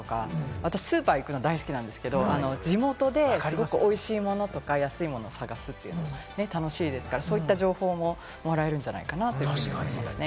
私、スーパー行くのが大好きなんですけれど、地元ですごくおいしいものとか、安いものを探すというのは楽しいですから、そういった情報ももらえるんじゃないかなと思います。